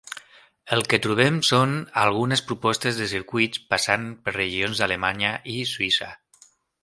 El que trobem són algunes propostes de circuits passant per regions d'Alemanya i Suïssa.